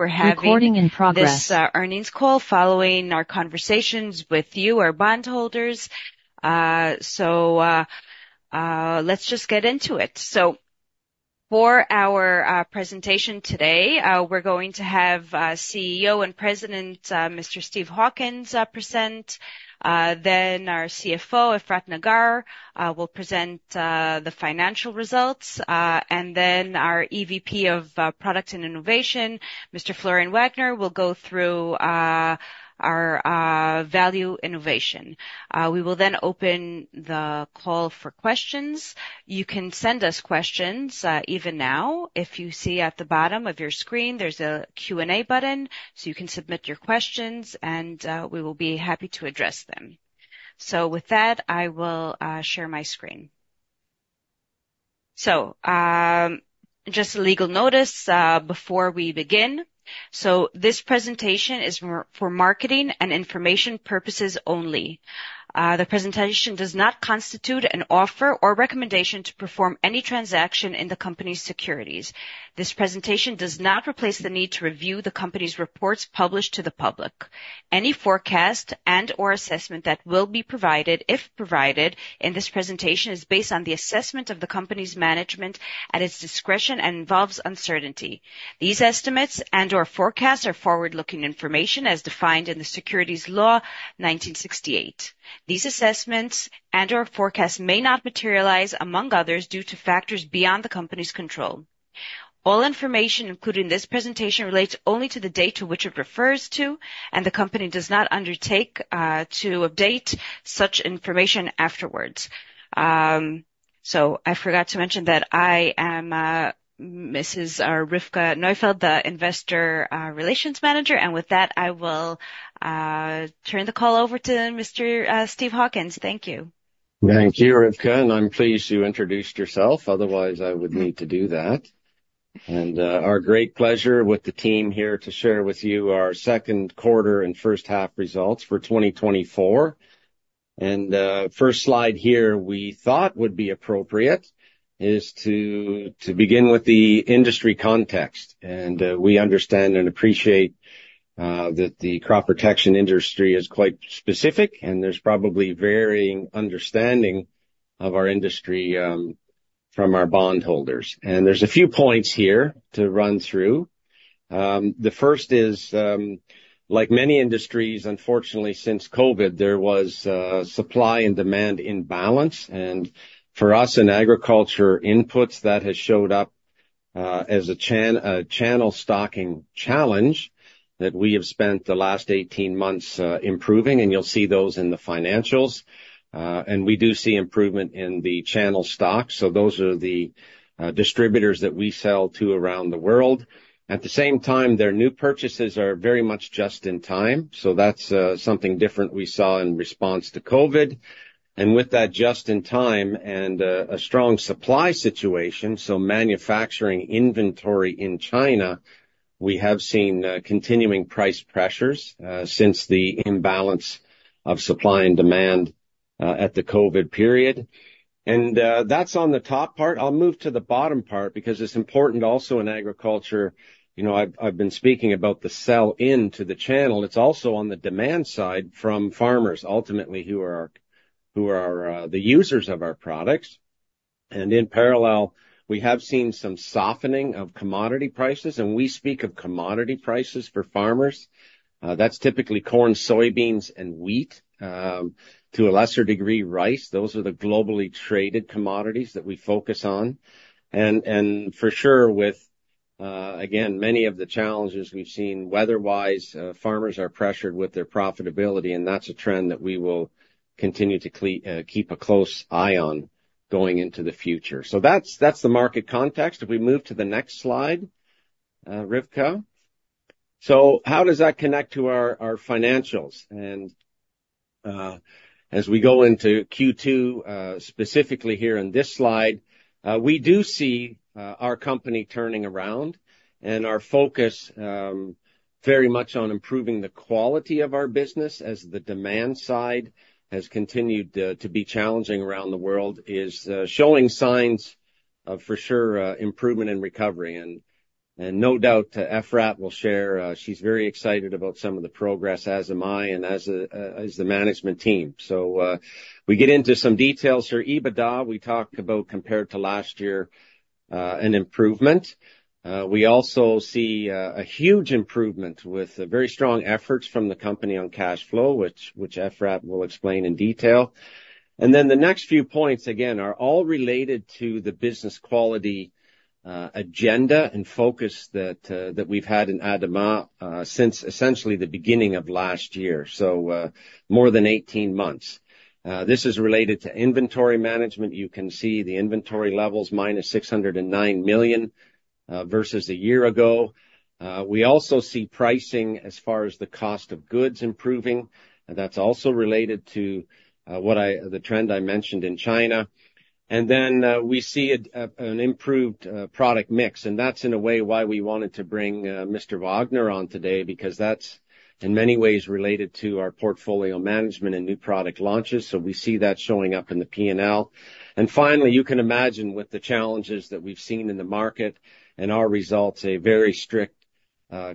We're having this earnings call following our conversations with you, our bondholders. So let's just get into it. So for our presentation today, we're going to have our CEO and President, Mr. Steve Hawkins, present. Then our CFO, Efrat Nagar, will present the financial results. And then our EVP of Product and Innovation, Mr. Florian Wagner, will go through our Value Innovation. We will then open the call for questions. You can send us questions even now. If you see at the bottom of your screen, there's a Q&A button, so you can submit your questions, and we will be happy to address them. So with that, I will share my screen. So just a legal notice before we begin. This presentation is for marketing and information purposes only. The presentation does not constitute an offer or recommendation to perform any transaction in the company's securities. This presentation does not replace the need to review the company's reports published to the public. Any forecast and/or assessment that will be provided, if provided, in this presentation, is based on the assessment of the company's management at its discretion and involves uncertainty. These estimates and/or forecasts are forward-looking information, as defined in the Securities Law 1968. These assessments and/or forecasts may not materialize, among others, due to factors beyond the company's control. All information included in this presentation relates only to the date to which it refers to, and the company does not undertake to update such information afterwards. I forgot to mention that I am Mrs. Rivka Neufeld, the Investor Relations Manager. With that, I will turn the call over to Mr. Steve Hawkins. Thank you. Thank you, Rivka, and I'm pleased you introduced yourself. Otherwise, I would need to do that, and our great pleasure with the team here to share with you our second quarter and first half results for 2024, and first slide here we thought would be appropriate is to begin with the industry context, and we understand and appreciate that the crop protection industry is quite specific, and there's probably varying understanding of our industry from our bondholders, and there's a few points here to run through. The first is, like many industries, unfortunately, since COVID, there was a supply and demand imbalance, and for us in agriculture inputs, that has showed up as a channel stocking challenge that we have spent the last eighteen months improving, and you'll see those in the financials. And we do see improvement in the channel stocks, so those are the distributors that we sell to around the world. At the same time, their new purchases are very much just in time, so that's something different we saw in response to COVID. And with that, just in time and a strong supply situation, so manufacturing inventory in China, we have seen continuing price pressures since the imbalance of supply and demand at the COVID period. And that's on the top part. I'll move to the bottom part because it's important also in agriculture. You know, I've been speaking about the sell-in to the channel. It's also on the demand side from farmers, ultimately, who are the users of our products. In parallel, we have seen some softening of commodity prices, and we speak of commodity prices for farmers. That's typically corn, soybeans, and wheat, to a lesser degree, rice. Those are the globally traded commodities that we focus on. And for sure, with again, many of the challenges we've seen weather-wise, farmers are pressured with their profitability, and that's a trend that we will continue to keep a close eye on going into the future. That's the market context. If we move to the next slide, Rivka. How does that connect to our financials? As we go into Q2, specifically here in this slide, we do see our company turning around, and our focus very much on improving the quality of our business as the demand side has continued to be challenging around the world is showing signs of, for sure, improvement and recovery. No doubt, Efrat will share. She's very excited about some of the progress, as am I, and as the management team. We get into some details here. EBITDA, we talked about compared to last year, an improvement. We also see a huge improvement with very strong efforts from the company on cash flow, which Efrat will explain in detail. And then the next few points, again, are all related to the business quality agenda and focus that we've had in ADAMA since essentially the beginning of last year, so more than 18 months. This is related to inventory management. You can see the inventory levels, -$609 million versus a year ago. We also see pricing as far as the cost of goods improving, and that's also related to the trend I mentioned in China. And then we see an improved product mix, and that's in a way why we wanted to bring Mr. Wagner on today, because that's, in many ways, related to our portfolio management and new product launches, so we see that showing up in the P&L. Finally, you can imagine with the challenges that we've seen in the market and our results, a very strict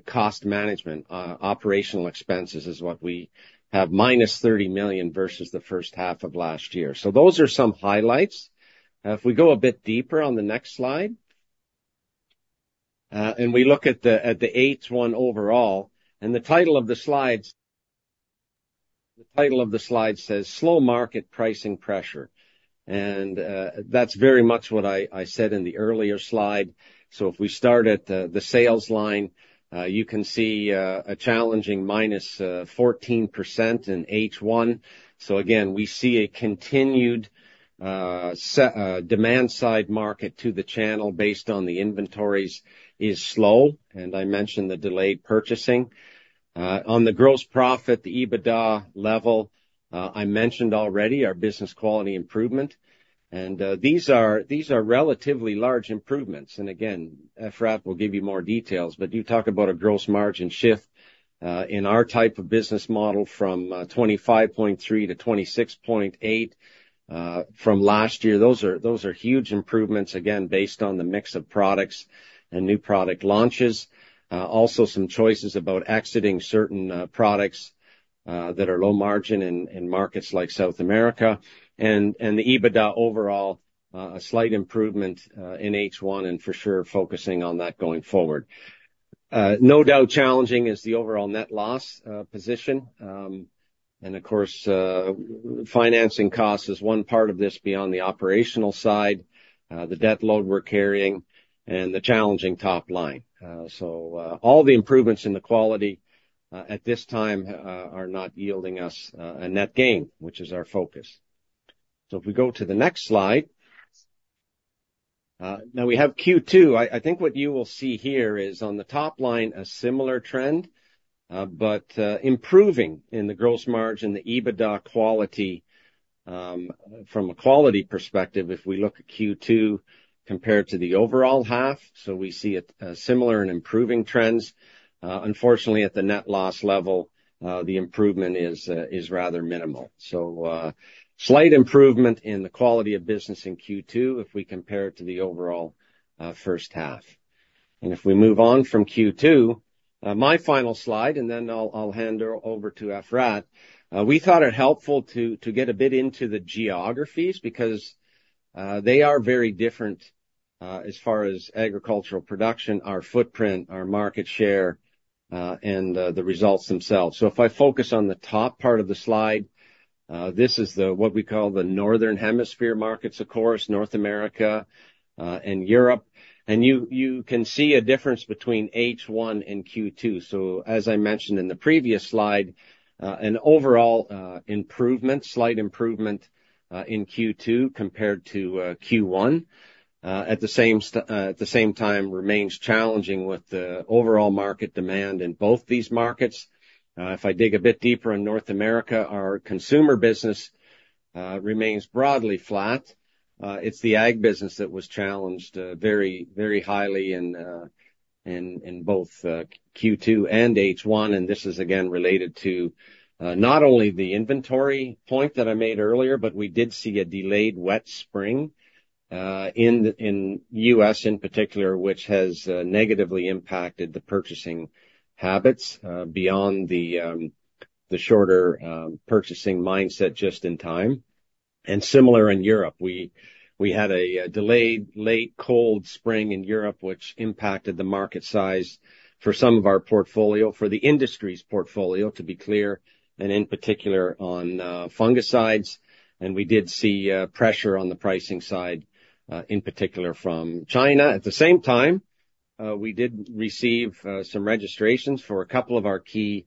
cost management operational expenses is what we have -$30 million versus the first half of last year. Those are some highlights. If we go a bit deeper on the next slide, and we look at the H1 overall, and the title of the slide says: Slow Market Pricing Pressure. That's very much what I said in the earlier slide. If we start at the sales line, you can see a challenging minus 14% in H1. Again, we see a continued demand side market to the channel based on the inventories is slow, and I mentioned the delayed purchasing. On the gross profit, the EBITDA level, I mentioned already our business quality improvement. And these are relatively large improvements. And again, Efrat will give you more details, but you talk about a gross margin shift in our type of business model from 25.3% to 26.8% from last year. Those are huge improvements, again, based on the mix of products and new product launches. Also some choices about exiting certain products that are low margin in markets like South America. And the EBITDA overall, a slight improvement in H1, and for sure, focusing on that going forward. No doubt, challenging is the overall net loss position. And of course, financing costs is one part of this beyond the operational side, the debt load we're carrying and the challenging top line. So, all the improvements in the quality, at this time, are not yielding us, a net gain, which is our focus. So if we go to the next slide. Now we have Q2. I think what you will see here is on the top line, a similar trend, but, improving in the gross margin, the EBITDA quality. From a quality perspective, if we look at Q2 compared to the overall half, so we see it, similar and improving trends. Unfortunately, at the net loss level, the improvement is rather minimal. So, slight improvement in the quality of business in Q2 if we compare it to the overall first half. And if we move on from Q2, my final slide, and then I'll hand over to Efrat. We thought it helpful to get a bit into the geographies because they are very different as far as agricultural production, our footprint, our market share, and the results themselves. So if I focus on the top part of the slide, this is what we call the Northern Hemisphere markets, of course, North America and Europe. And you can see a difference between H1 and Q2. So as I mentioned in the previous slide, an overall improvement, slight improvement in Q2 compared to Q1. At the same time, remains challenging with the overall market demand in both these markets. If I dig a bit deeper in North America, our consumer business remains broadly flat. It's the ag business that was challenged very, very highly in both Q2 and H1, and this is again related to not only the inventory point that I made earlier, but we did see a delayed wet spring in the U.S., in particular, which has negatively impacted the purchasing habits beyond the shorter purchasing mindset just in time. Similar in Europe, we had a delayed, late cold spring in Europe, which impacted the market size for some of our portfolio, for the industry's portfolio, to be clear, and in particular, on fungicides. And we did see pressure on the pricing side, in particular from China. At the same time, we did receive some registrations for a couple of our key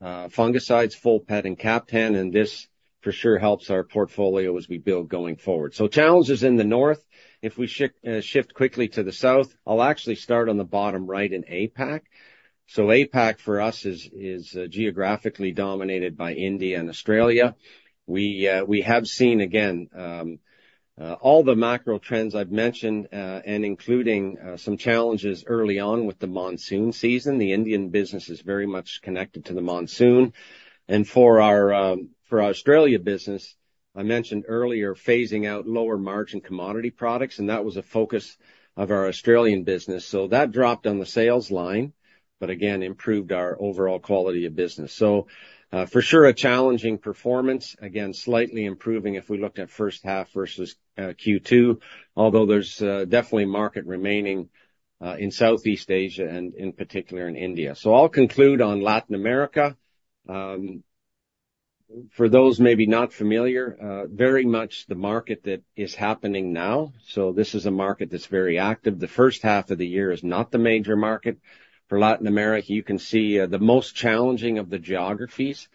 fungicides, Folpet and Captan, and this for sure helps our portfolio as we build going forward. So challenges in the North. If we shift quickly to the South, I'll actually start on the bottom right in APAC. So APAC, for us, is geographically dominated by India and Australia. We have seen, again, all the macro trends I've mentioned, and including some challenges early on with the monsoon season. The Indian business is very much connected to the monsoon. And for our Australia business, I mentioned earlier, phasing out lower margin commodity products, and that was a focus of our Australian business. So that dropped on the sales line, but again, improved our overall quality of business. So, for sure, a challenging performance. Again, slightly improving if we looked at first half versus Q2, although there's definitely market remaining in Southeast Asia and in particular in India. So I'll conclude on Latin America. For those maybe not familiar, very much the market that is happening now, so this is a market that's very active. The first half of the year is not the major market. For Latin America, you can see the most challenging of the geographies.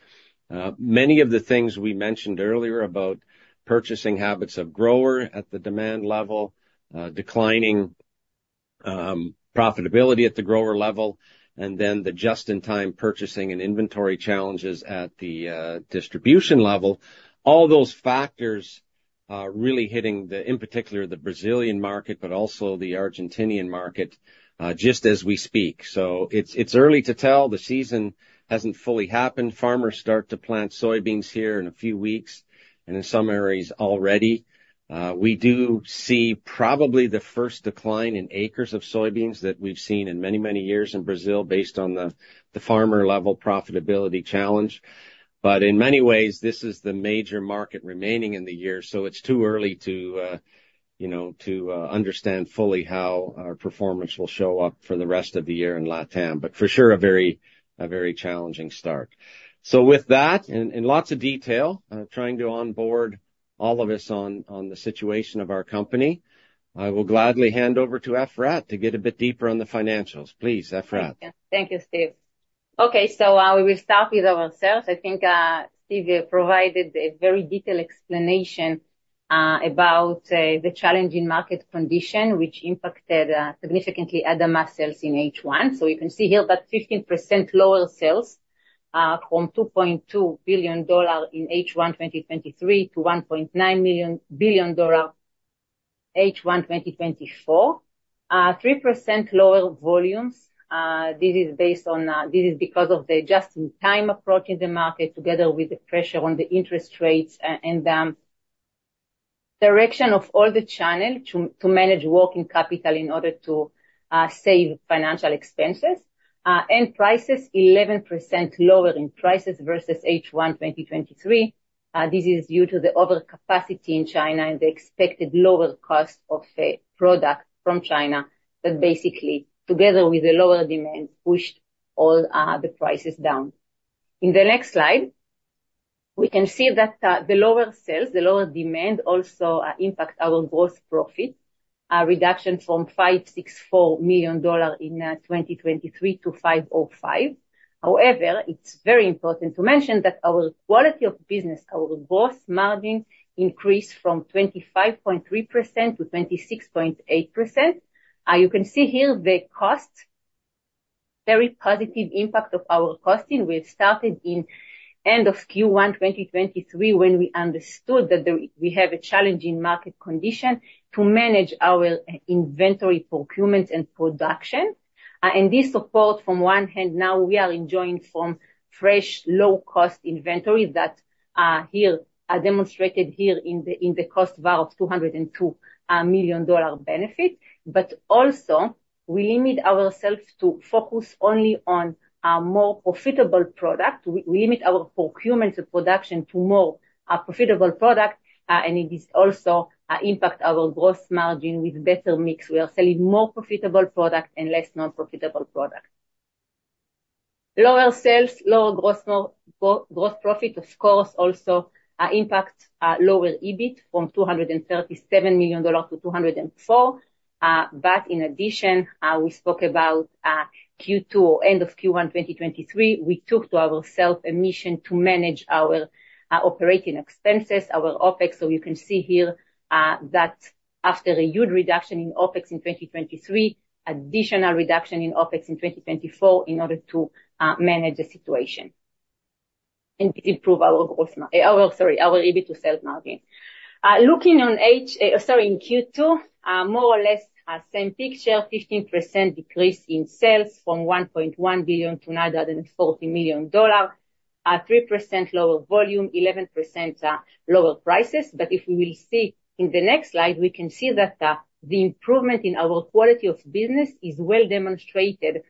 Many of the things we mentioned earlier about purchasing habits of grower at the demand level, declining profitability at the grower level, and then the just-in-time purchasing and inventory challenges at the distribution level. All those factors... really hitting the, in particular, the Brazilian market, but also the Argentinian market, just as we speak. So it's early to tell. The season hasn't fully happened. Farmers start to plant soybeans here in a few weeks, and in some areas already. We do see probably the first decline in acres of soybeans that we've seen in many, many years in Brazil, based on the farmer-level profitability challenge. But in many ways, this is the major market remaining in the year, so it's too early to you know to understand fully how our performance will show up for the rest of the year in Latam. But for sure, a very challenging start. So with that, and lots of detail, trying to onboard all of us on the situation of our company, I will gladly hand over to Efrat to get a bit deeper on the financials. Please, Efrat. Thank you, Steve. Okay, so we will start with ourselves. I think Steve provided a very detailed explanation about the challenging market condition, which impacted significantly ADAMA's sales in H1. So you can see here that 15% lower sales from $2.2 billion in H1 2023 to $1.9 billion in H1 2024. 3% lower volumes. This is because of the just-in-time approach in the market, together with the pressure on the interest rates and direction of all the channel to manage working capital in order to save financial expenses. And prices, 11% lower in prices versus H1 2023. This is due to the overcapacity in China and the expected lower cost of the product from China, that basically, together with the lower demands, pushed all, the prices down. In the next slide, we can see that, the lower sales, the lower demand also, impact our gross profit, a reduction from $564 million in 2023 to $505 million. However, it's very important to mention that our quality of business, our gross margin increased from 25.3% to 26.8%. You can see here the cost, very positive impact of our costing. We've started in end of Q1 2023, when we understood that we have a challenging market condition to manage our inventory, procurement and production. And this support from one hand, now we are enjoying from fresh, low-cost inventory that are demonstrated here in the cost value of $202 million benefit. But also, we limit ourselves to focus only on a more profitable product. We limit our procurement of production to more profitable product, and it is also impact our gross margin with better mix. We are selling more profitable product and less non-profitable product. Lower sales, lower gross profit, of course, also impact lower EBIT from $237 million to $204 million. But in addition, we spoke about Q2 end of Q1 2023, we took to ourselves a mission to manage our operating expenses, our OpEx. So you can see here that after a huge reduction in OpEx in 2023, additional reduction in OpEx in 2024, in order to manage the situation. And this improve our gross margin, sorry, our EBIT to sales margin. Looking in Q2, more or less same picture, 15% decrease in sales from $1.1 billion to $940 million, a 3% lower volume, 11% lower prices. But if we will see in the next slide, we can see that the improvement in our quality of business is well demonstrated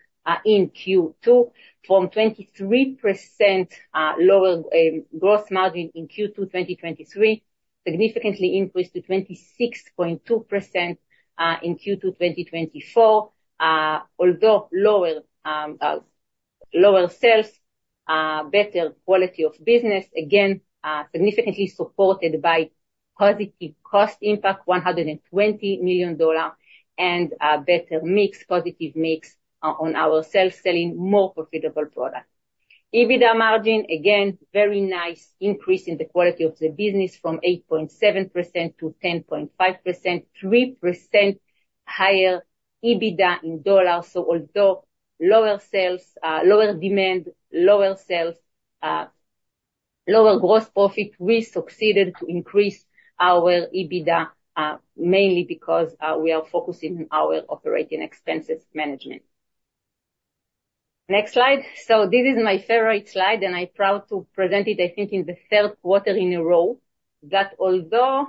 in Q2, from 23% lower gross margin in Q2 2023, significantly increased to 26.2% in Q2 2024. Although lower sales, better quality of business, again, significantly supported by positive cost impact, $120 million, and better mix, positive mix on our sales, selling more profitable product. EBITDA margin, again, very nice increase in the quality of the business, from 8.7% to 10.5%, 3% higher EBITDA in dollars. Although lower sales, lower demand, lower gross profit, we succeeded to increase our EBITDA, mainly because we are focusing on our operating expenses management. Next slide. This is my favorite slide, and I'm proud to present it, I think, in the third quarter in a row. That, although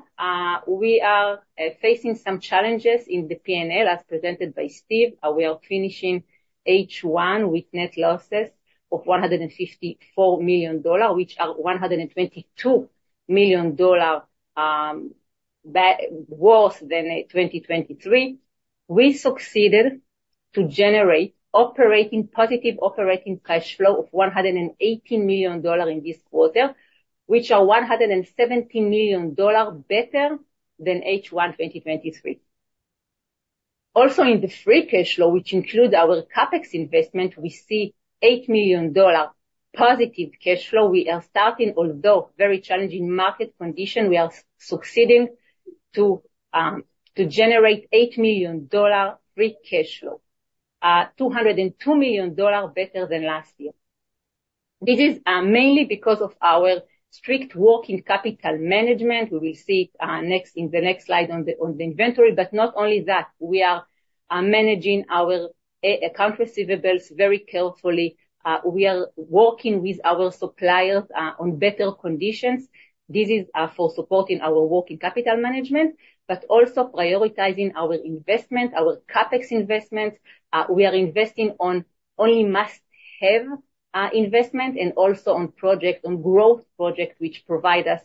we are facing some challenges in the P&L, as presented by Steve, we are finishing H1 with net losses of $154 million, which are $122 million worse than 2023. We succeeded to generate positive operating cash flow of $180 million in this quarter, which are $170 million better than H1 2023. Also, in the free cash flow, which includes our CapEx investment, we see $8 million positive cash flow. We are starting, although very challenging market condition, we are succeeding to generate $8 million free cash flow, $202 million better than last year.... This is mainly because of our strict working capital management. We will see it next, in the next slide on the inventory. But not only that, we are managing our account receivables very carefully. We are working with our suppliers on better conditions. This is for supporting our working capital management, but also prioritizing our investment, our CapEx investment. We are investing on only must-have investment and also on project, on growth project, which provide us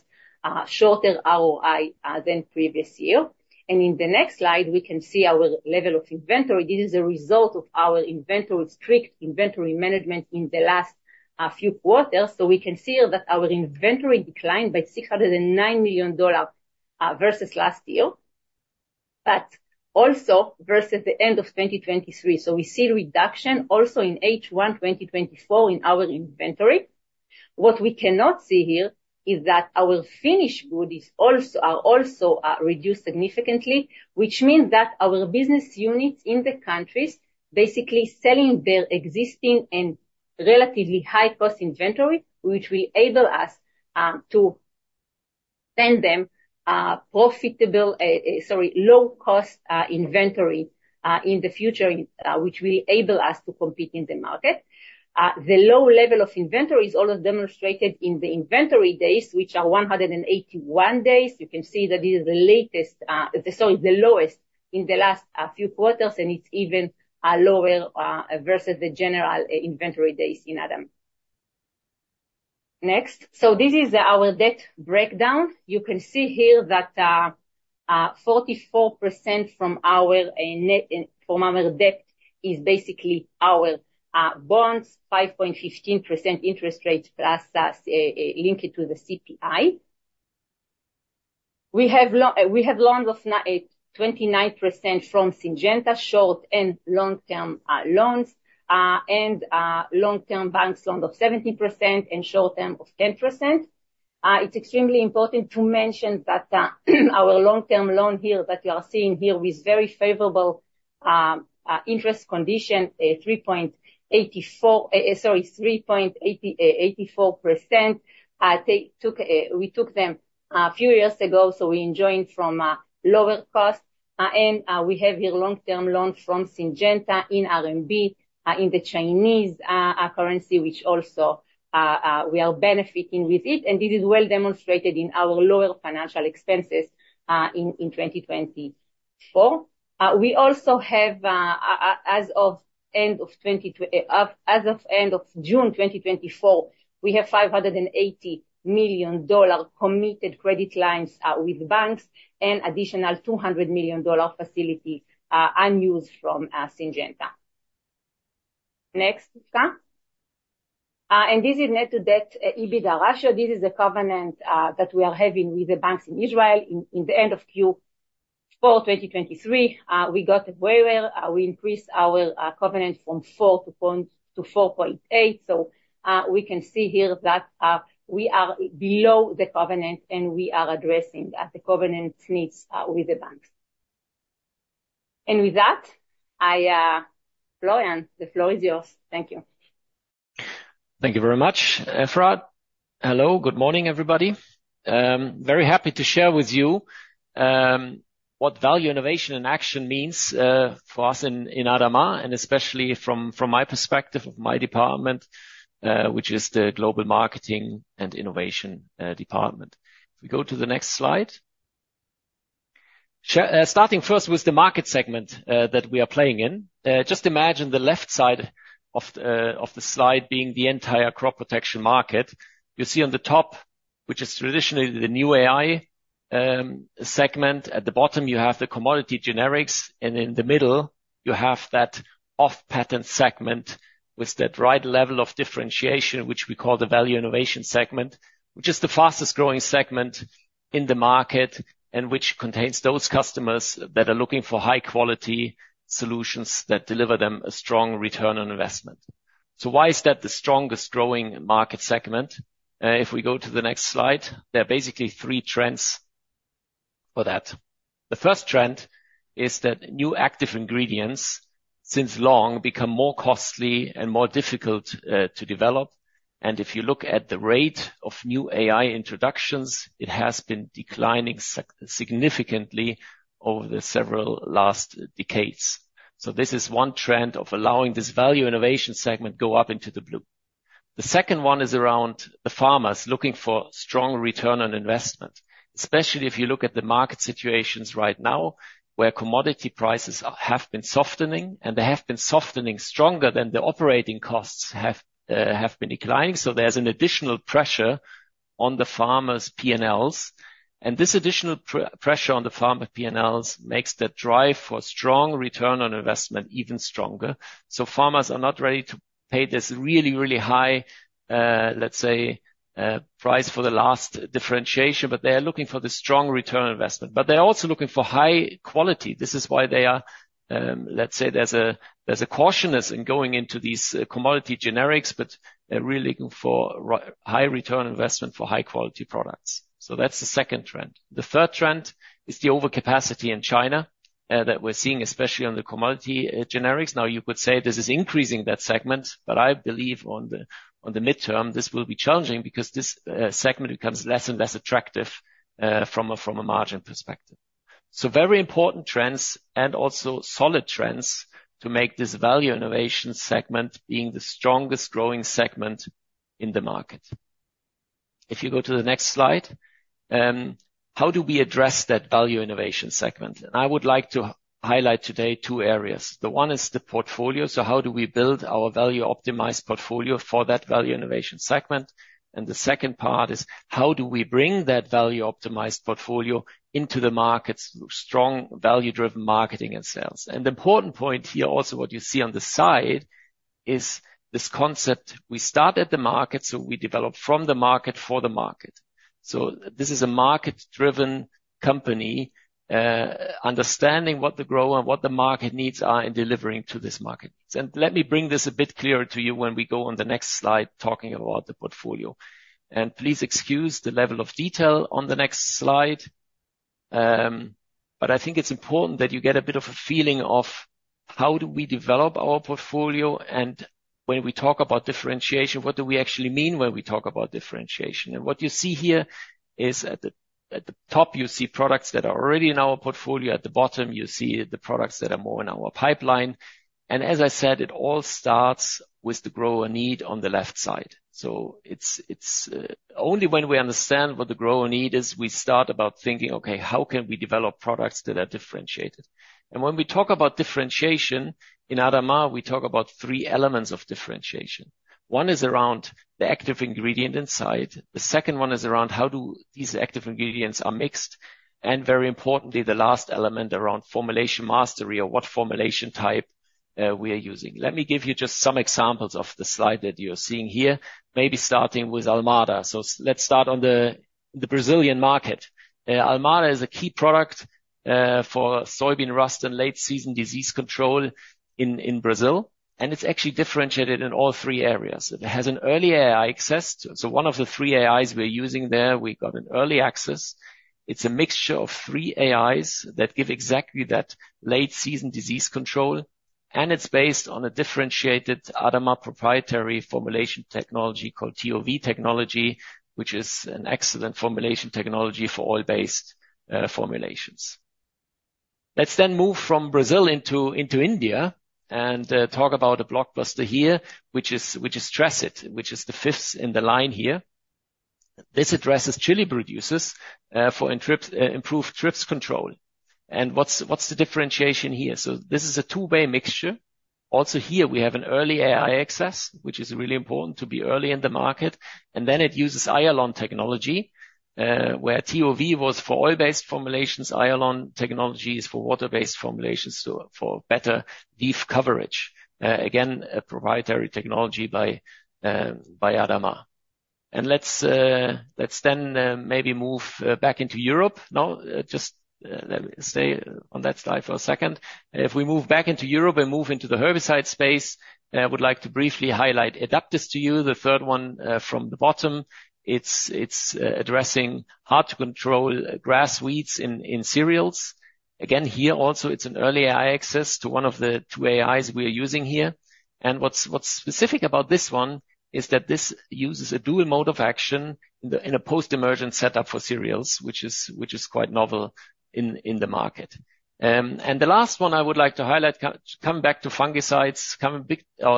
shorter ROI than previous year. And in the next slide, we can see our level of inventory. This is a result of our inventory, strict inventory management in the last few quarters. So we can see that our inventory declined by $609 million versus last year, but also versus the end of 2023. So we see reduction also in H1 2024 in our inventory. What we cannot see here is that our finished goods are also reduced significantly, which means that our business units in the countries basically selling their existing and relatively high-cost inventory, which will enable us to send them profitable, sorry, low-cost inventory in the future, which will enable us to compete in the market. The low level of inventory is also demonstrated in the inventory days, which are 181 days. You can see that this is the latest, sorry, the lowest in the last few quarters, and it's even lower versus the general inventory days in ADAMA. Next. So this is our debt breakdown. You can see here that 44% from our net debt is basically our bonds, 5.15% interest rate plus linked to the CPI. We have loans of 29% from Syngenta, short- and long-term loans, and long-term bank loan of 17% and short-term of 10%. It's extremely important to mention that our long-term loan here that you are seeing here with very favorable interest condition, a 3.84%, we took them a few years ago, so we enjoying from lower cost. And we have a long-term loan from Syngenta in RMB in the Chinese currency, which also we are benefiting with it. This is well demonstrated in our lower financial expenses in 2024. We also have, as of the end of June 2024, $580 million committed credit lines with banks and an additional $200 million facility, unused from Syngenta. Next, Rivka. This is net debt EBITDA ratio. This is a covenant that we are having with the banks in Israel. In the end of Q4 2023, we got very well. We increased our covenant from 4 to 4.8. We can see here that we are below the covenant and we are addressing the covenant needs with the banks. With that, I Florian, the floor is yours. Thank you. Thank you very much, Efrat. Hello, good morning, everybody. Very happy to share with you what value, innovation, and action means for us in ADAMA, and especially from my perspective of my department, which is the Global Marketing and Innovation department. If we go to the next slide. Starting first with the market segment that we are playing in. Just imagine the left side of the slide being the entire crop protection market. You see on the top, which is traditionally the new AI segment. At the bottom, you have the commodity generics, and in the middle, you have that off-patent segment with that right level of differentiation, which we call the Value Innovation segment. Which is the fastest growing segment in the market, and which contains those customers that are looking for high quality solutions that deliver them a strong return on investment. So why is that the strongest growing market segment? If we go to the next slide, there are basically three trends for that. The first trend is that new active ingredients, since long, become more costly and more difficult to develop. And if you look at the rate of new AI introductions, it has been declining significantly over the several last decades. So this is one trend of allowing this Value Innovation segment go up into the blue. The second one is around the farmers looking for strong return on investment, especially if you look at the market situations right now, where commodity prices are, have been softening, and they have been softening stronger than the operating costs have been declining. So there's an additional pressure on the farmers' P&Ls. And this additional pressure on the farmer P&Ls makes the drive for strong return on investment even stronger. So farmers are not ready to pay this really, really high, let's say, price for the last differentiation, but they are looking for the strong return on investment. But they're also looking for high quality. This is why they are. Let's say there's a cautiousness in going into these commodity generics, but they're really looking for high return on investment for high quality products. So that's the second trend. The third trend is the overcapacity in China that we're seeing, especially on the commodity generics. Now, you could say this is increasing that segment, but I believe on the midterm, this will be challenging, because this segment becomes less and less attractive from a margin perspective. So very important trends, and also solid trends to make this Value Innovation segment being the strongest growing segment in the market. If you go to the next slide, how do we address that Value Innovation segment? And I would like to highlight today two areas. The one is the portfolio. So how do we build our value optimized portfolio for that Value Innovation segment? And the second part is: how do we bring that value optimized portfolio into the markets with strong value-driven marketing and sales? The important point here, also, what you see on the side, is this concept. We start at the market, so we develop from the market for the market. This is a market-driven company, understanding what the grower, what the market needs are in delivering to this market. Let me bring this a bit clearer to you when we go on the next slide, talking about the portfolio. Please excuse the level of detail on the next slide, but I think it's important that you get a bit of a feeling of how do we develop our portfolio, and when we talk about differentiation, what do we actually mean when we talk about differentiation? What you see here is at the top, you see products that are already in our portfolio. At the bottom, you see the products that are more in our pipeline. And as I said, it all starts with the grower need on the left side. So it's only when we understand what the grower need is, we start about thinking, "Okay, how can we develop products that are differentiated?" And when we talk about differentiation, in ADAMA, we talk about three elements of differentiation. One is around the active ingredient inside. The second one is around how do these active ingredients are mixed, and very importantly, the last element around formulation mastery or what formulation type we are using. Let me give you just some examples of the slide that you're seeing here, maybe starting with Almada. So let's start on the Brazilian market. Almada is a key product for soybean rust and late-season disease control in Brazil, and it's actually differentiated in all three areas. It has an early AI access, so one of the three AIs we're using there, we got an early access. It's a mixture of three AIs that give exactly that late-season disease control, and it's based on a differentiated ADAMA proprietary formulation technology called TOV technology, which is an excellent formulation technology for oil-based formulations. Let's then move from Brazil into India and talk about a blockbuster here, which is Trassid, which is the fifth in the line here. This addresses chili producers for thrips, improved thrips control. And what's the differentiation here? So this is a two-way mixture. Also here, we have an early AI access, which is really important to be early in the market. And then it uses Ion Technology, where TOV was for oil-based formulations. Ion Technology is for water-based formulations, so for better leaf coverage. Again, a proprietary technology by ADAMA. And let's then maybe move back into Europe. No, just let me stay on that slide for a second. If we move back into Europe and move into the herbicide space, I would like to briefly highlight ADAPT is to you, the third one from the bottom. It's addressing how to control grass weeds in cereals. Again, here, also, it's an early AI access to one of the two AIs we are using here. And what's specific about this one is that this uses a dual mode of action in a post-emergent setup for cereals, which is quite novel in the market. And the last one I would like to highlight, come back to fungicides.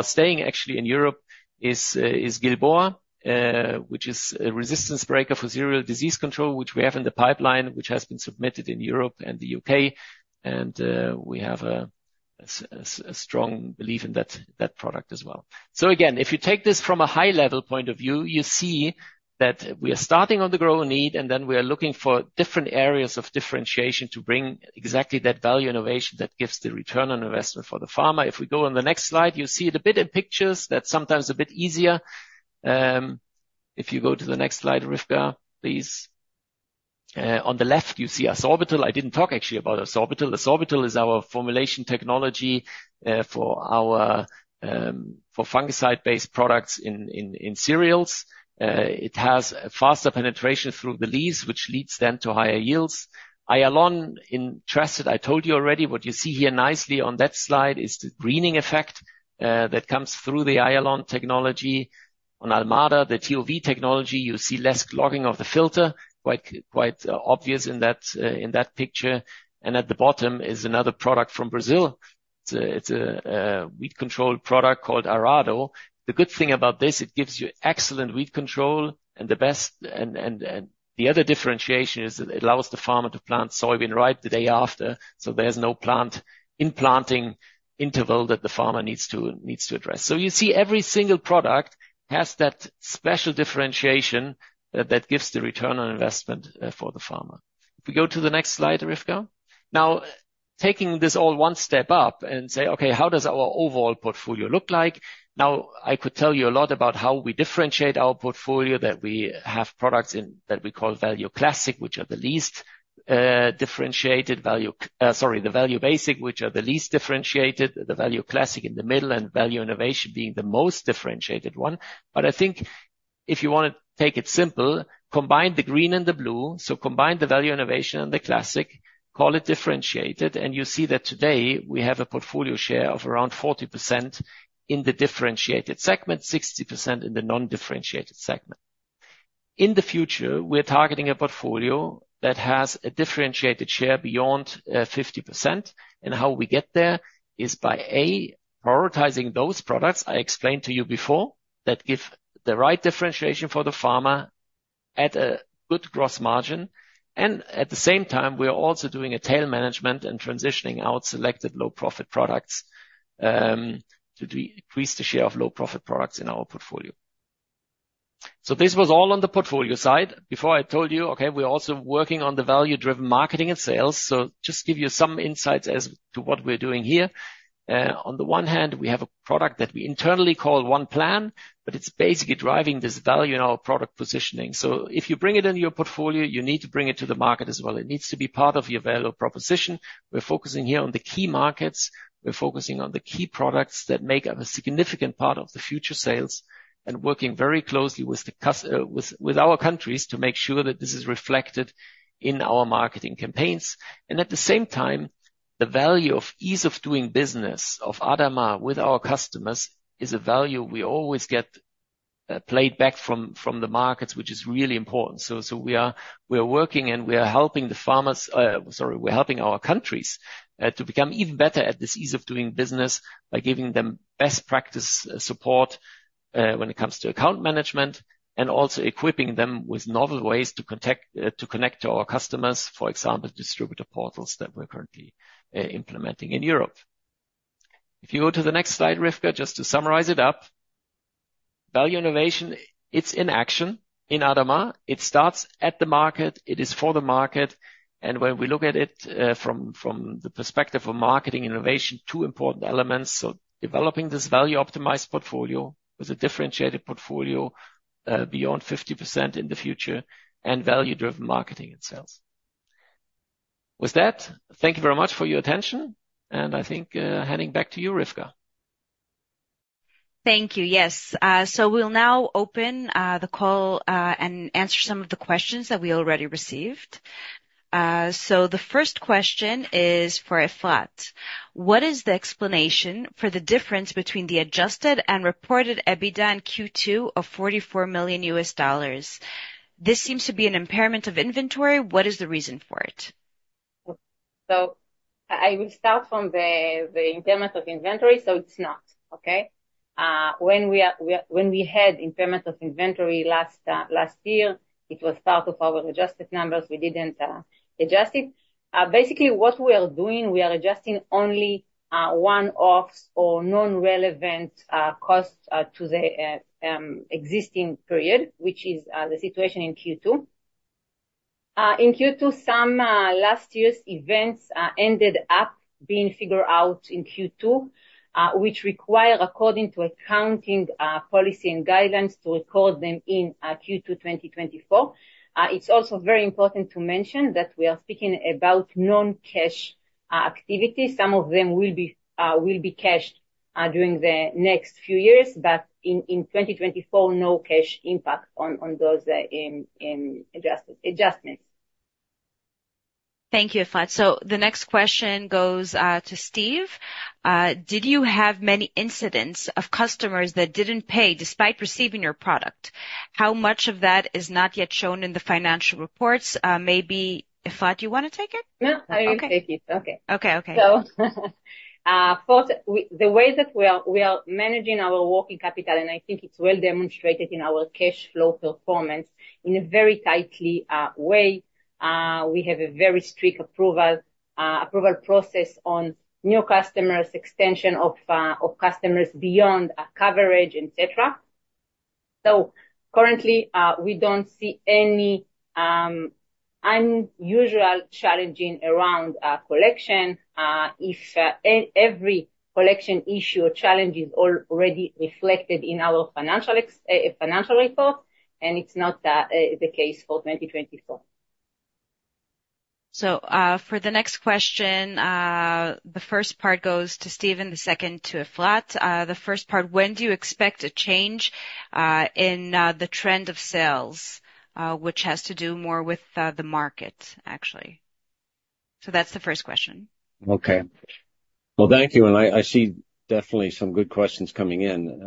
Staying actually in Europe is Gilboa, which is a resistance breaker for cereal disease control, which we have in the pipeline, which has been submitted in Europe and the U.K., and we have a strong belief in that product as well. So again, if you take this from a high-level point of view, you see that we are starting on the grower need, and then we are looking for different areas of differentiation to bring exactly that Value Innovation that gives the return on investment for the farmer. If we go on the next slide, you see it a bit in pictures. That's sometimes a bit easier. If you go to the next slide, Rivka, please. On the left, you see Asorbital. I didn't talk actually about Asorbital. Asorbital is our formulation technology for our fungicide-based products in cereals. It has faster penetration through the leaves, which leads then to higher yields. Ion in Tresit, I told you already. What you see here nicely on that slide is the greening effect that comes through the Ion technology. On Almada, the TOV technology, you see less clogging of the filter, quite obvious in that picture. And at the bottom is another product from Brazil. It's a weed control product called Araddo. The good thing about this, it gives you excellent weed control and the best. And the other differentiation is it allows the farmer to plant soybean right the day after, so there's no plant in planting interval that the farmer needs to address. So you see every single product has that special differentiation that gives the return on investment for the farmer. If we go to the next slide, Rivka. Now, taking this all one step up and say, "Okay, how does our overall portfolio look like?" Now, I could tell you a lot about how we differentiate our portfolio, that we have products in that we call Value Classic, which are the least differentiated. Sorry, the Value Basic, which are the least differentiated, the Value Classic in the middle, and Value Innovation being the most differentiated one. But I think-... If you want to take it simple, combine the green and the blue, so combine the Value Innovation and the classic, call it differentiated, and you see that today we have a portfolio share of around 40% in the differentiated segment, 60% in the non-differentiated segment. In the future, we are targeting a portfolio that has a differentiated share beyond fifty percent, and how we get there is by, A, prioritizing those products I explained to you before, that give the right differentiation for the farmer at a good gross margin. And at the same time, we are also doing a tail management and transitioning out selected low profit products to decrease the share of low profit products in our portfolio. This was all on the portfolio side. Before I told you, okay, we're also working on the value-driven marketing and sales. So just give you some insights as to what we're doing here. On the one hand, we have a product that we internally call One Plan, but it's basically driving this value in our product positioning. So if you bring it into your portfolio, you need to bring it to the market as well. It needs to be part of your value proposition. We're focusing here on the key markets. We're focusing on the key products that make up a significant part of the future sales and working very closely with our countries to make sure that this is reflected in our marketing campaigns. And at the same time, the value of ease of doing business of ADAMA with our customers is a value we always get played back from the markets, which is really important. So we are working and we are helping our countries to become even better at this ease of doing business by giving them best practice support when it comes to account management, and also equipping them with novel ways to connect to our customers, for example, distributor portals that we're currently implementing in Europe. If you go to the next slide, Rivka, just to summarize it up. Value Innovation, it's in action in ADAMA. It starts at the market, it is for the market, and when we look at it from the perspective of marketing innovation, two important elements: developing this value-optimized portfolio with a differentiated portfolio beyond 50% in the future, and value-driven marketing and sales. With that, thank you very much for your attention. And I think, handing back to you, Rivka. Thank you. Yes. So we'll now open the call and answer some of the questions that we already received. So the first question is for Efrat: What is the explanation for the difference between the adjusted and reported EBITDA in Q2 of $44 million? This seems to be an impairment of inventory. What is the reason for it? I will start from the impairment of inventory, so it's not okay? When we had impairment of inventory last year, it was part of our adjusted numbers. We didn't adjust it. Basically, what we are doing, we are adjusting only one-offs or non-relevant costs to the existing period, which is the situation in Q2. In Q2, some last year's events ended up being figured out in Q2, which require, according to accounting policy and guidelines, to record them in Q2 2024. It's also very important to mention that we are speaking about non-cash activities. Some of them will be cashed during the next few years, but in 2024, no cash impact on those in adjusted adjustments. Thank you, Efrat. So the next question goes to Steve. Did you have many incidents of customers that didn't pay despite receiving your product? How much of that is not yet shown in the financial reports? Maybe, Efrat, you wanna take it? No, I will take it. Okay. Okay. Okay, okay. So, first, the way that we are managing our working capital, and I think it's well demonstrated in our cash flow performance in a very tightly way. We have a very strict approval process on new customers, extension of customers beyond our coverage, et cetera. So currently, we don't see any unusual challenging around collection. If every collection issue or challenge is already reflected in our financial report, and it's not the case for 2024. So, for the next question, the first part goes to Steve, the second to Efrat. The first part: When do you expect a change in the trend of sales, which has to do more with the market, actually? So that's the first question. Okay. Thank you. I see definitely some good questions coming in.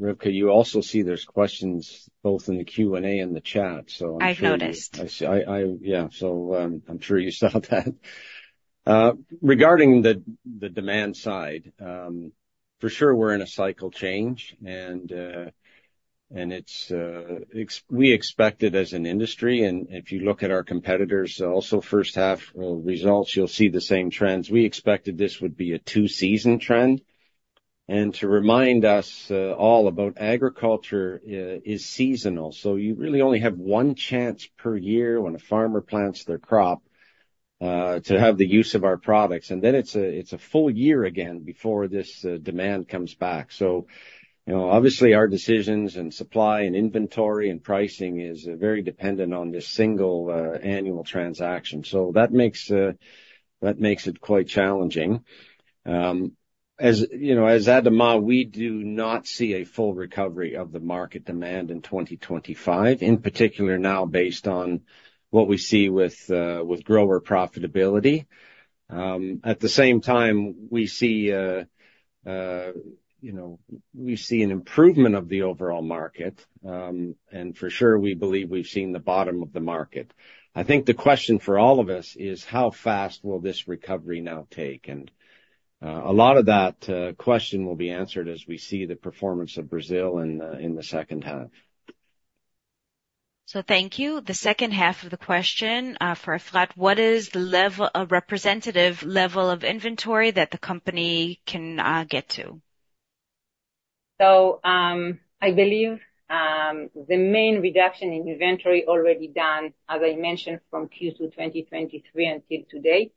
Rivka, you also see there's questions both in the Q&A and the chat, so I'm sure- I've noticed. I see. Yeah, so, I'm sure you saw that. Regarding the demand side, for sure, we're in a cycle change, and it's expected. We expect it as an industry. And if you look at our competitors, also first half results, you'll see the same trends. We expected this would be a two-season trend. And to remind us all about agriculture is seasonal. So you really only have one chance per year when a farmer plants their crop to have the use of our products. And then it's a full year again before this demand comes back. So you know, obviously, our decisions and supply and inventory and pricing is very dependent on this single annual transaction. So that makes it quite challenging. As you know, as ADAMA, we do not see a full recovery of the market demand in 2025, in particular now based on what we see with grower profitability. At the same time, we see you know, we see an improvement of the overall market, and for sure, we believe we've seen the bottom of the market. I think the question for all of us is how fast will this recovery now take? And a lot of that question will be answered as we see the performance of Brazil in the second half. So thank you. The second half of the question, for Efrat, what is the level, a representative level of inventory that the company can get to? So, I believe the main reduction in inventory already done, as I mentioned, from Q2, 2023 until today.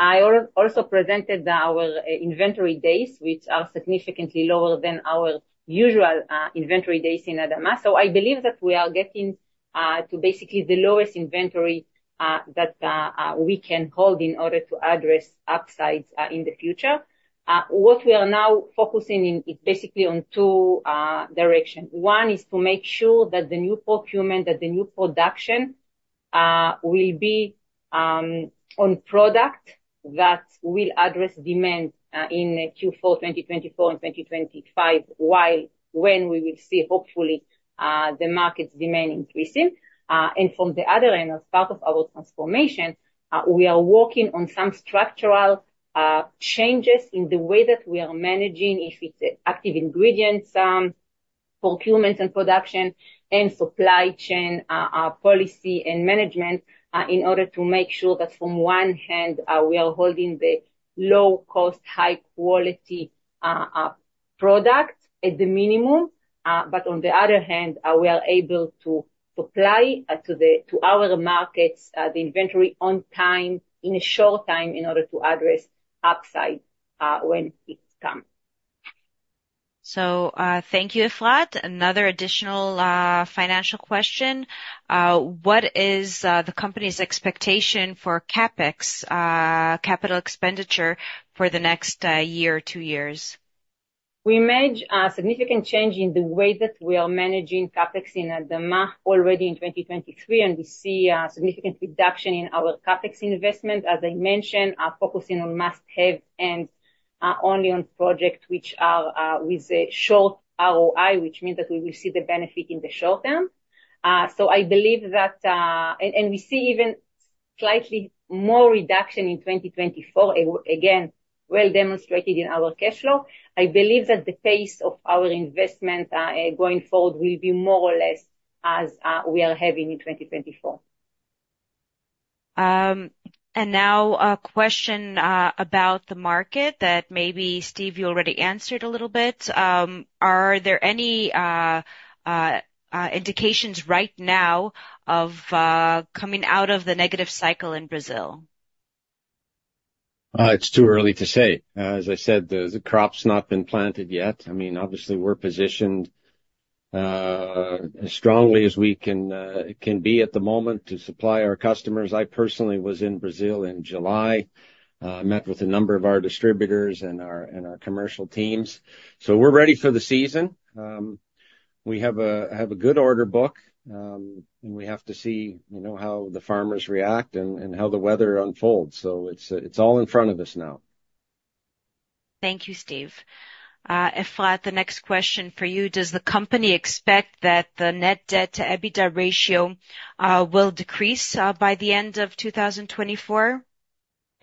I also presented our inventory days, which are significantly lower than our usual inventory days in ADAMA. So I believe that we are getting to basically the lowest inventory that we can hold in order to address upsides in the future. What we are now focusing in is basically on two direction. One is to make sure that the new procurement, that the new production will be on product that will address demand in Q4, 2024 and 2025, while when we will see, hopefully, the market demand increasing. And from the other end, as part of our transformation, we are working on some structural changes in the way that we are managing, if it's active ingredients, procurements and production, and supply chain, policy and management, in order to make sure that from one hand, we are holding the low cost, high quality product at the minimum, but on the other hand, we are able to supply to our markets the inventory on time, in a short time, in order to address upside when it come. Thank you, Efrat. Another additional financial question. What is the company's expectation for CapEx, capital expenditure for the next year or two years? We made a significant change in the way that we are managing CapEx in ADAMA already in 2023, and we see a significant reduction in our CapEx investment. As I mentioned, we are focusing on must-have and only on projects which are with a short ROI, which means that we will see the benefit in the short term. So I believe that we see even slightly more reduction in 2024, again, well demonstrated in our cash flow. I believe that the pace of our investment, going forward, will be more or less as we are having in 2024. Now a question about the market that maybe, Steve, you already answered a little bit. Are there any indications right now of coming out of the negative cycle in Brazil? It's too early to say. As I said, the crop's not been planted yet. I mean, obviously, we're positioned as strongly as we can be at the moment to supply our customers. I personally was in Brazil in July, met with a number of our distributors and our commercial teams. So we're ready for the season. We have a good order book, and we have to see, you know, how the farmers react and how the weather unfolds. So it's all in front of us now. Thank you, Steve. Efrat, the next question for you: Does the company expect that the net debt to EBITDA ratio will decrease by the end of 2024?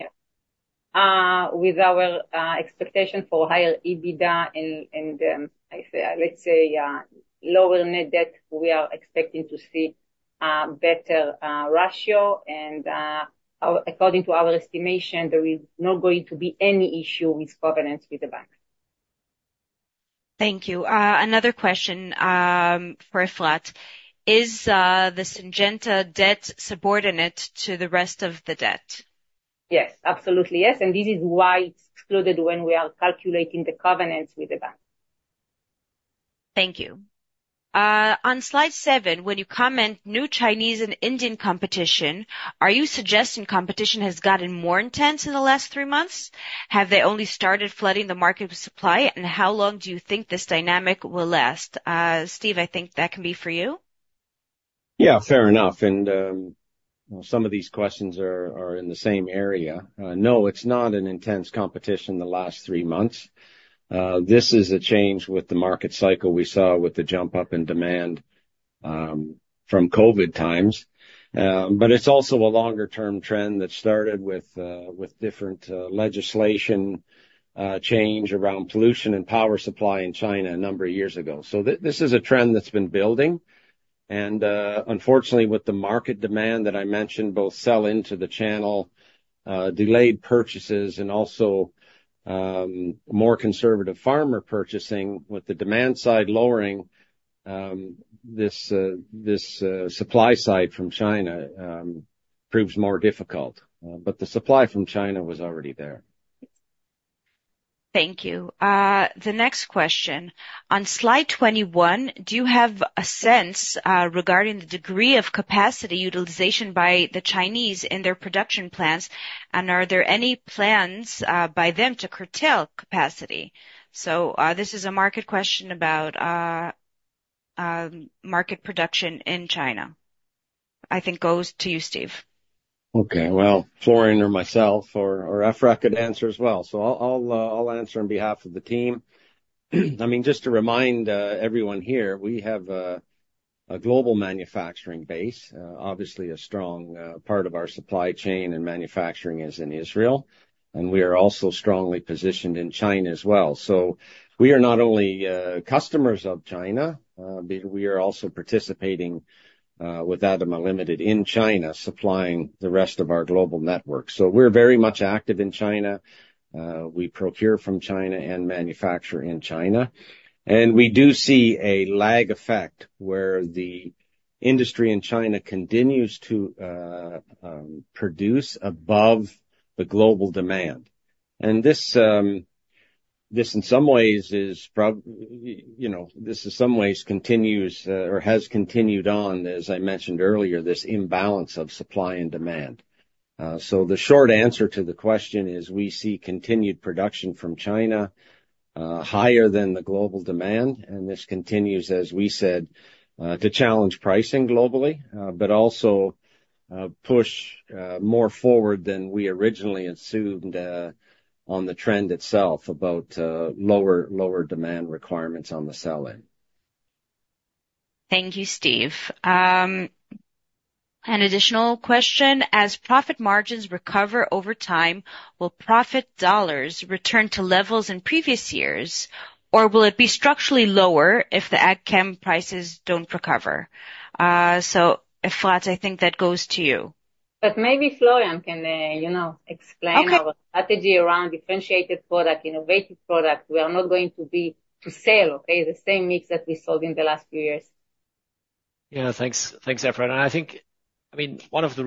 Yeah. With our expectation for higher EBITDA and, let's say, lower net debt, we are expecting to see better ratio. According to our estimation, there is not going to be any issue with covenants with the bank. Thank you. Another question for Efrat: Is the Syngenta debt subordinate to the rest of the debt? Yes. Absolutely, yes, and this is why it's excluded when we are calculating the covenants with the bank. Thank you. On slide seven, when you comment, "New Chinese and Indian competition," are you suggesting competition has gotten more intense in the last three months? Have they only started flooding the market with supply, and how long do you think this dynamic will last? Steve, I think that can be for you. Yeah, fair enough, and some of these questions are in the same area. No, it's not an intense competition in the last three months. This is a change with the market cycle we saw with the jump up in demand from COVID times, but it's also a longer-term trend that started with different legislation change around pollution and power supply in China a number of years ago, so this is a trend that's been building, and unfortunately, with the market demand that I mentioned, both sell into the channel, delayed purchases and also more conservative farmer purchasing, with the demand side lowering, this supply side from China proves more difficult, but the supply from China was already there. Thank you. The next question. On slide 21, do you have a sense regarding the degree of capacity utilization by the Chinese in their production plans? And are there any plans by them to curtail capacity? This is a market question about market production in China. I think goes to you, Steve. Okay, well, Florian or myself or Efrat could answer as well. So I'll answer on behalf of the team. I mean, just to remind everyone here, we have a global manufacturing base. Obviously, a strong part of our supply chain and manufacturing is in Israel, and we are also strongly positioned in China as well. So we are not only customers of China, we are also participating with ADAMA Limited in China, supplying the rest of our global network. So we're very much active in China. We procure from China and manufacture in China. And we do see a lag effect where the industry in China continues to produce above the global demand. And this in some ways is, you know, this in some ways continues, or has continued on, as I mentioned earlier, this imbalance of supply and demand. So the short answer to the question is, we see continued production from China, higher than the global demand, and this continues, as we said, to challenge pricing globally, but also push more forward than we originally assumed, on the trend itself about lower demand requirements on the sell end. Thank you, Steve. An additional question: As profit margins recover over time, will profit dollars return to levels in previous years, or will it be structurally lower if the agchem prices don't recover? So, Efrat, I think that goes to you. But maybe Florian can, you know, explain- Okay. Our strategy around differentiated product, innovative product. We are not going to sell, okay, the same mix that we sold in the last few years. Yeah, thanks. Thanks, Efrat. And I think, I mean, one of the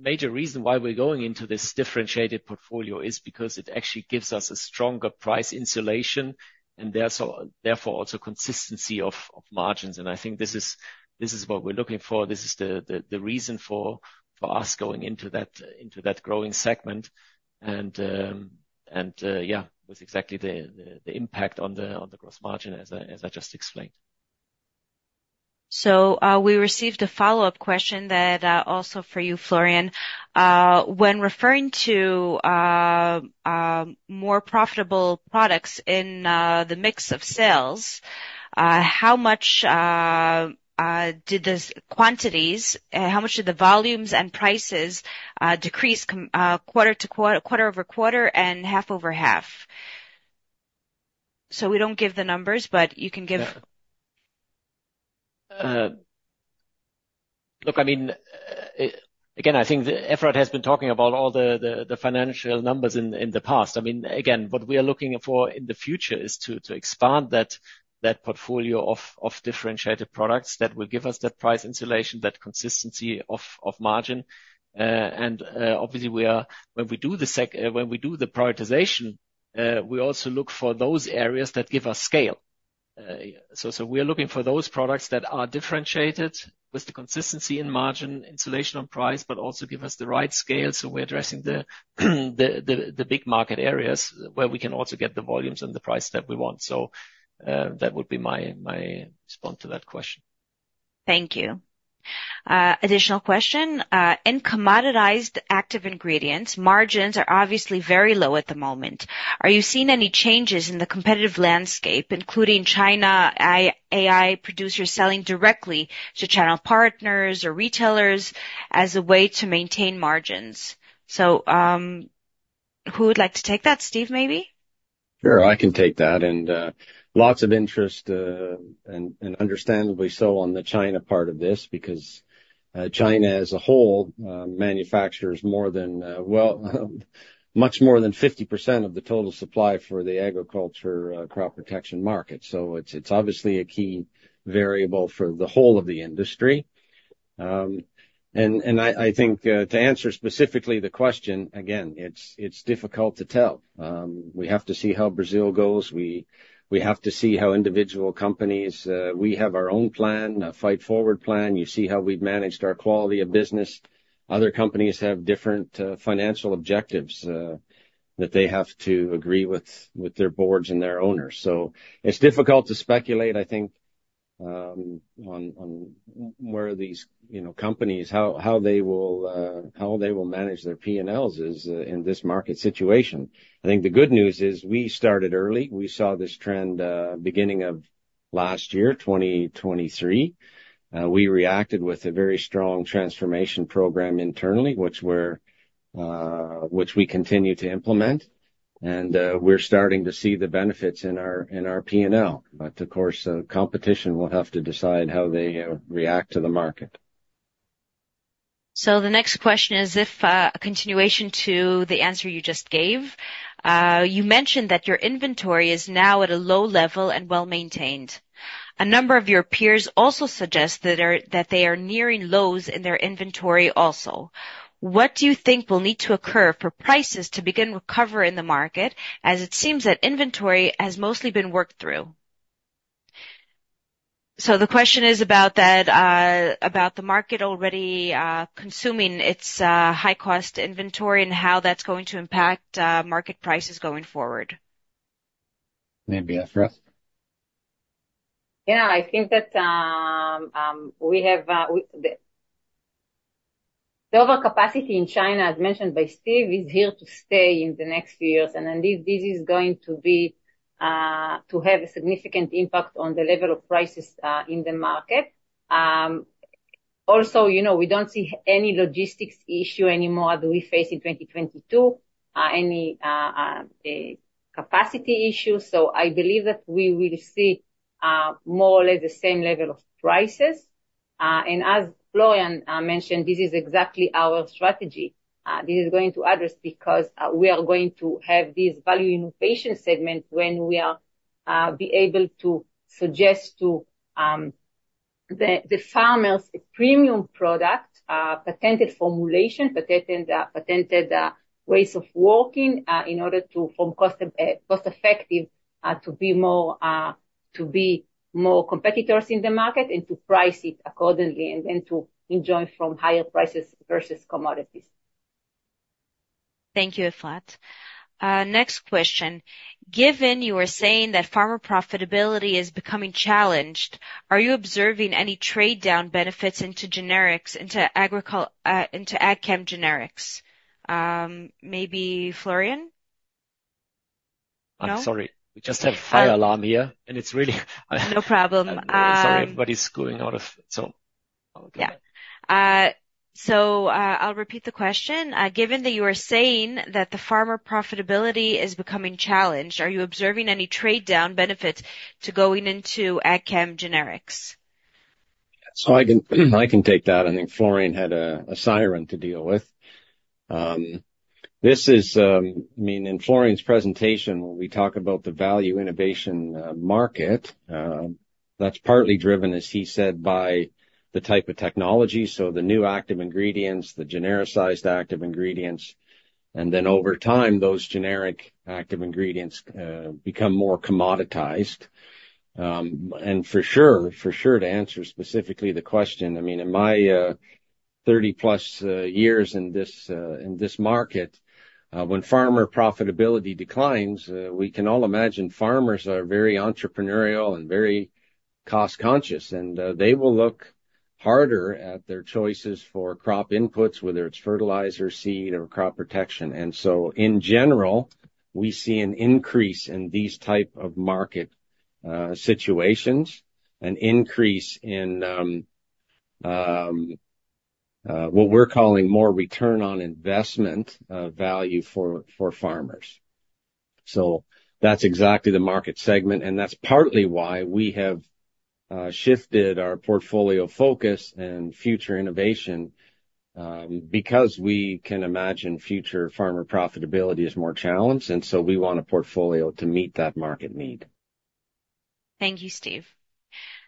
major reasons why we're going into this differentiated portfolio is because it actually gives us a stronger price insulation, and therefore, also consistency of margins. And I think this is what we're looking for. This is the reason for us going into that growing segment. And, yeah, with exactly the impact on the gross margin, as I just explained. So, we received a follow-up question that, also for you, Florian. When referring to more profitable products in the mix of sales, how much did the volumes and prices decrease quarter over quarter and half over half? So we don't give the numbers, but you can give- Yeah. Look, I mean, again, I think Efrat has been talking about all the financial numbers in the past. I mean, again, what we are looking for in the future is to expand that portfolio of differentiated products that will give us that price insulation, that consistency of margin. And, obviously, we are, when we do the prioritization, we also look for those areas that give us scale. So, we are looking for those products that are differentiated with the consistency in margin, insulation on price, but also give us the right scale, so we're addressing the big market areas where we can also get the volumes and the price that we want. So, that would be my response to that question. Thank you. Additional question. In commoditized active ingredients, margins are obviously very low at the moment. Are you seeing any changes in the competitive landscape, including China, AI producers selling directly to channel partners or retailers as a way to maintain margins? Who would like to take that, Steve, maybe? Sure, I can take that, and lots of interest, and understandably so on the China part of this, because China as a whole manufactures more than, well, much more than 50% of the total supply for the agriculture crop protection market. So it's obviously a key variable for the whole of the industry. I think to answer specifically the question, again, it's difficult to tell. We have to see how Brazil goes. We have to see how individual companies. We have our own plan, a Fight Forward plan. You see how we've managed our quality of business. Other companies have different financial objectives that they have to agree with their boards and their owners. So it's difficult to speculate, I think, on where these, you know, companies, how they will manage their P&Ls is in this market situation. I think the good news is we started early. We saw this trend beginning of last year, 2023. We reacted with a very strong transformation program internally, which we continue to implement, and we're starting to see the benefits in our P&L. But of course, the competition will have to decide how they react to the market. The next question is a continuation to the answer you just gave. You mentioned that your inventory is now at a low level and well-maintained. A number of your peers also suggest that they are nearing lows in their inventory also. What do you think will need to occur for prices to begin to recover in the market, as it seems that inventory has mostly been worked through? The question is about that, about the market already consuming its high cost inventory and how that's going to impact market prices going forward. Maybe, Efrat? Yeah, I think that we have with the overcapacity in China, as mentioned by Steve, is here to stay in the next few years, and then this is going to have a significant impact on the level of prices in the market. Also, you know, we don't see any logistics issue anymore that we face in 2022, any capacity issues. So I believe that we will see more or less the same level of prices. And as Florian mentioned, this is exactly our strategy. This is going to address because we are going to have this Value Innovation segment when we are be able to suggest to the farmers a premium product, patented formulation, patented ways of working, in order to form cost effective, to be more competitors in the market and to price it accordingly, and then to enjoy from higher prices versus commodities. Thank you, Efrat. Next question: Given you are saying that farmer profitability is becoming challenged, are you observing any trade-down benefits into generics, into agchem generics? Maybe Florian? No. I'm sorry. We just have fire alarm here, and it's really - No problem. Sorry, everybody's going out of, so... Yeah. So, I'll repeat the question. Given that you are saying that the farmer profitability is becoming challenged, are you observing any trade-down benefits to going into agchem generics? So I can, I can take that. I think Florian had a siren to deal with. This is, I mean, in Florian's presentation, when we talk about the Value Innovation market, that's partly driven, as he said, by the type of technology, so the new active ingredients, the genericized active ingredients. And then over time, those generic active ingredients become more commoditized. And for sure, for sure, to answer specifically the question, I mean, in my thirty-plus years in this market, when farmer profitability declines, we can all imagine farmers are very entrepreneurial and very cost-conscious, and they will look harder at their choices for crop inputs, whether it's fertilizer, seed, or crop protection. And so, in general, we see an increase in these type of market situations, an increase in what we're calling more return on investment value for farmers. So that's exactly the market segment, and that's partly why we have shifted our portfolio focus and future innovation, because we can imagine future farmer profitability is more challenged, and so we want a portfolio to meet that market need. Thank you, Steve.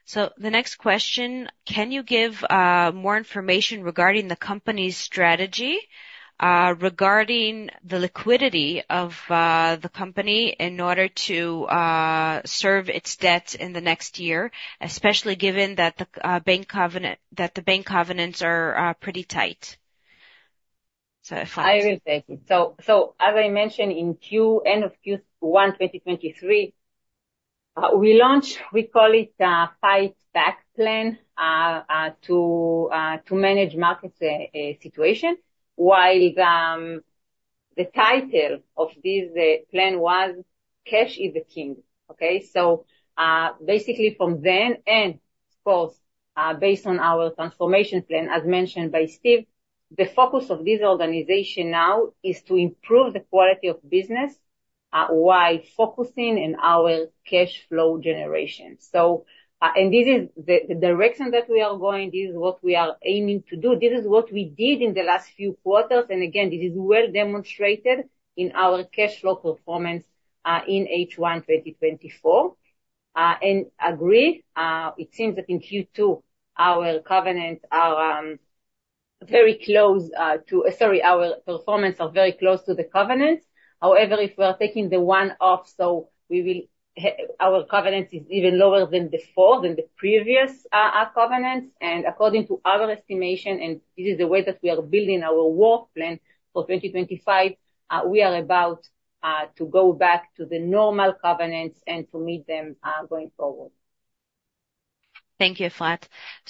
So the next question: Can you give more information regarding the company's strategy regarding the liquidity of the company in order to serve its debt in the next year, especially given that the bank covenants are pretty tight? So, Efrat. I will take it. So, as I mentioned, at the end of Q1 2023, we launched what we call the Fight Forward plan to manage the market situation, while the title of this plan was Cash is King. Okay? So, basically from then, and of course, based on our transformation plan, as mentioned by Steve, the focus of this organization now is to improve the quality of business while focusing on our cash flow generation. So, this is the direction that we are going. This is what we are aiming to do. This is what we did in the last few quarters, and again, this is well demonstrated in our cash flow performance in H1 2024. And agreed, it seems that in Q2, our covenants are very close to the covenants. Sorry, our performance are very close to the covenants. However, if we are taking the one off, so we will, our covenants is even lower than before, than the previous covenants. And according to our estimation, and this is the way that we are building our work plan for 2025, we are about to go back to the normal covenants and to meet them going forward. Thank you, Efrat.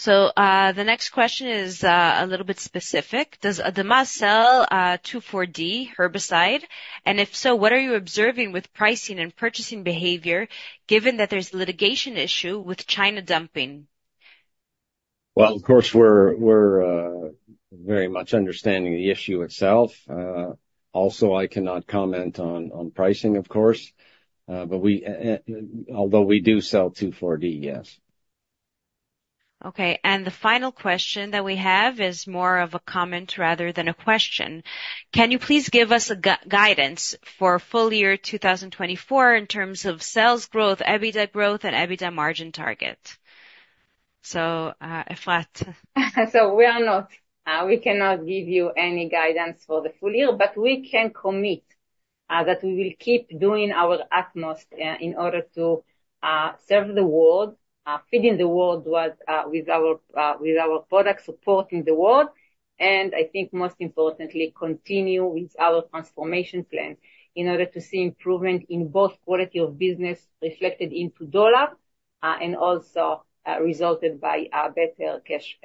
The next question is a little bit specific: Does ADAMA sell 2,4-D herbicide? And if so, what are you observing with pricing and purchasing behavior, given that there's litigation issue with China dumping? Of course, we're very much understanding the issue itself. Also, I cannot comment on pricing, of course, but although we do sell 2,4-D, yes. ... Okay, and the final question that we have is more of a comment rather than a question. Can you please give us a guidance for full year 2024 in terms of sales growth, EBITDA growth, and EBITDA margin target? So, Efrat? So we are not, we cannot give you any guidance for the full year, but we can commit that we will keep doing our utmost in order to serve the world, feeding the world with our product, supporting the world. And I think most importantly, continue with our transformation plan in order to see improvement in both quality of business reflected into dollar and also resulted by better cash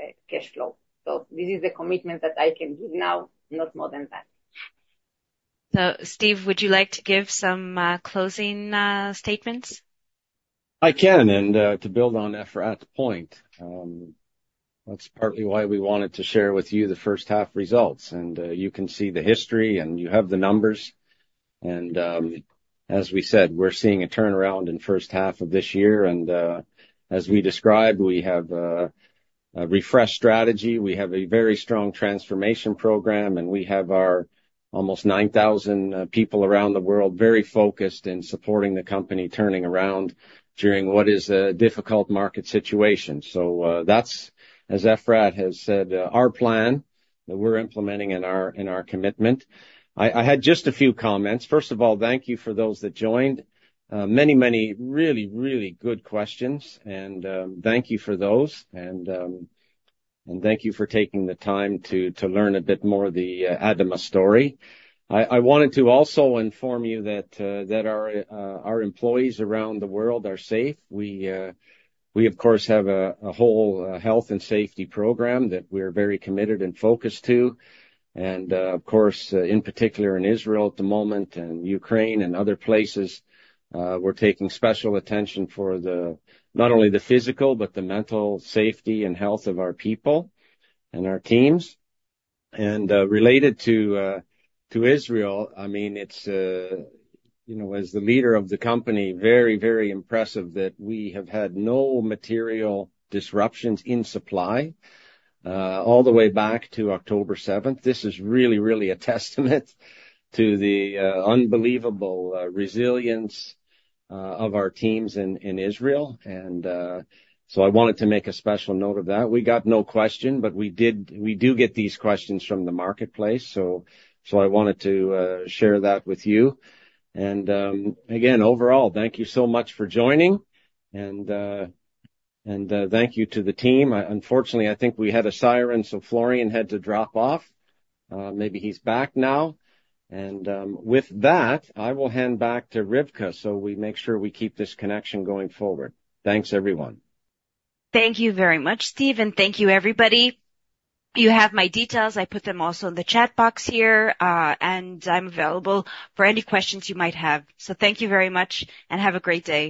flow. So this is a commitment that I can give now, not more than that. So Steve, would you like to give some closing statements? I can, and to build on Efrat's point, that's partly why we wanted to share with you the first half results, and you can see the history and you have the numbers, and as we said, we're seeing a turnaround in first half of this year, and as we described, we have a refreshed strategy. We have a very strong transformation program, and we have our almost nine thousand people around the world, very focused in supporting the company, turning around during what is a difficult market situation. That's, as Efrat has said, our plan that we're implementing in our commitment. I had just a few comments. First of all, thank you for those that joined. Many, many, really, really good questions, and thank you for those. Thank you for taking the time to learn a bit more of the ADAMA story. I wanted to also inform you that our employees around the world are safe. We of course have a whole health and safety program that we're very committed and focused to. And of course in particular in Israel at the moment, and Ukraine and other places, we're taking special attention for the... Not only the physical, but the mental safety and health of our people and our teams. And related to Israel, I mean, it's you know, as the leader of the company, very impressive that we have had no material disruptions in supply all the way back to October seventh. This is really, really a testament to the unbelievable resilience of our teams in Israel, and so I wanted to make a special note of that. We got no question, but we do get these questions from the marketplace, so I wanted to share that with you. Again, overall, thank you so much for joining and thank you to the team. Unfortunately, I think we had a siren, so Florian had to drop off. Maybe he's back now. With that, I will hand back to Rivka, so we make sure we keep this connection going forward. Thanks, everyone. Thank you very much, Steve, and thank you, everybody. You have my details. I put them also in the chat box here, and I'm available for any questions you might have. So thank you very much, and have a great day.